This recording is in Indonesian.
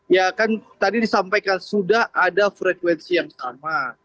ya kan tadi disampaikan sudah ada frekuensi yang sama